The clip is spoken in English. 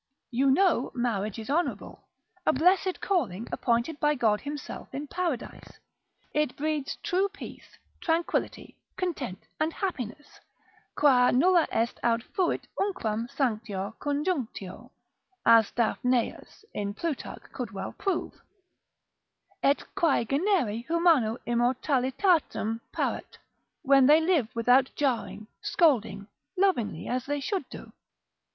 You know marriage is honourable, a blessed calling, appointed by God himself in Paradise; it breeds true peace, tranquillity, content, and happiness, qua nulla est aut fuit unquam sanctior conjunctio, as Daphnaeus in Plutarch could well prove, et quae generi humano immortalitatem parat, when they live without jarring, scolding, lovingly as they should do.